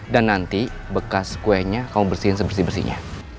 dan nanti bekas kuenya kamu bersihin sebersih bersihnya